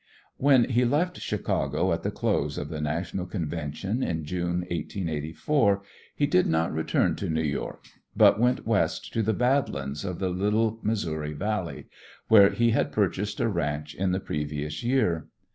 When he left Chicago at the close of the national convention in June, 1884, he did not return to New York, but went West to the Bad Lands of the Little Missouri Valley, where he had purchased a ranch in the previous year.